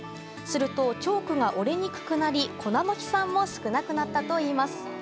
するとチョークが折れにくくなり粉の飛散も少なくなったといいます。